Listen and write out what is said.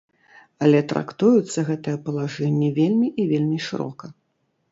Але трактуюцца гэтыя палажэнні вельмі і вельмі шырока.